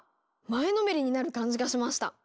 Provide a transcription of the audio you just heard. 前のめりになる感じがしました！